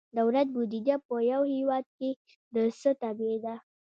دولت بودیجه په یو هیواد کې د څه تابع ده؟